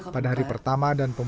pada hari pertama dan pembahasan